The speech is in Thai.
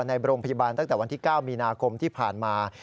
ในโรงพยาบาลตั้งแต่วันที่๙มีนาคมที่ผ่านมา